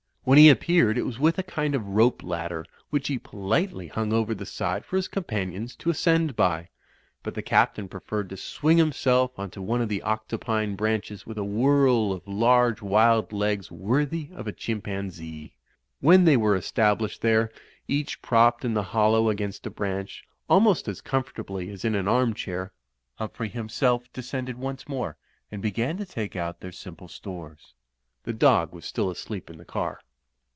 When he appeared it was with a kind of rope ladder, which he politely hung over the side for his com panions to ascend by, but the Captain preferred to swing himself onto one of the octopine branches with a whirl of large wild legs worthy of a chimpanzee. When they were established there, each propped in the hollow against a branch, almost as comfortably as in an arm chair, Humphrey himself descended once more and began to take out their simple stores. The dog was still asleep in the car.